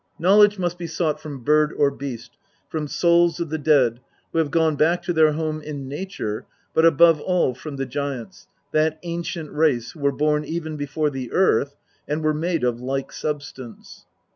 Knowledge must be sought from bird or beast, from souls of the dead who have gone back to their home in nature, but above all from the giants, that ancient race who were born even before the earth, and were, made of like substance.